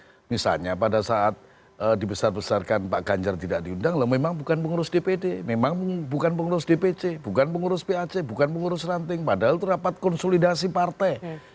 karena misalnya pada saat dibesar besarkan pak ganjar tidak diundang loh memang bukan pengurus dpd memang bukan pengurus dpc bukan pengurus pac bukan pengurus ranting padahal itu rapat konsolidasi partai